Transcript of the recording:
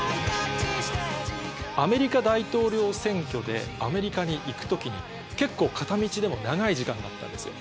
アメリカ大統領選挙でアメリカに行く時に結構片道でも長い時間だったんですよ。